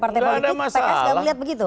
partai politik pks gak melihat begitu